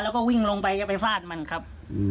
แล้วก็วิ่งลงไปก็ไปฟาดมันครับ